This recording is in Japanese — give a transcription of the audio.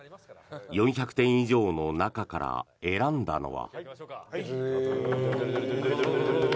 ４００点以上の中から選んだのは。